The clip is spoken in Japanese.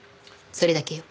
それだけよ。